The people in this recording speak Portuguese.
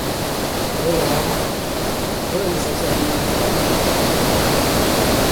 Olá, vamos examinar quem hoje?